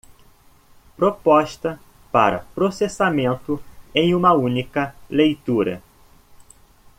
Proposta para processamento em uma única leitura.